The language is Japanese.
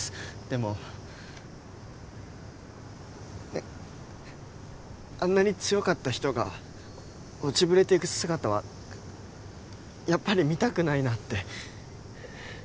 でもあんなに強かった人が落ちぶれていく姿はやっぱり見たくないなって。